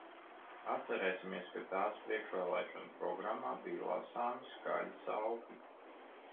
Atcerēsimies, ka tās priekšvēlēšanu programmā bija lasāmi skaļi saukļi.